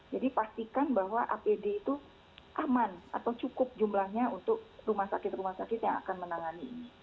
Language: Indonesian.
jadi pastikan bahwa apd itu aman atau cukup jumlahnya untuk rumah sakit rumah sakit yang akan menangani ini